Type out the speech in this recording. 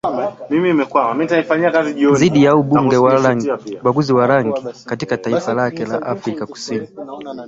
Dhidi ya ubaguzi wa rangi katika taifa lake la Afrika Kusini